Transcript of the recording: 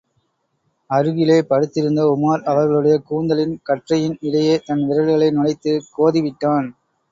அருகிலே படுத்திருந்த உமார் அவளுடைய கூந்தலின் கற்றையின் இடையே தன் விரல்களை நுழைத்து கோதிவிட்டான்.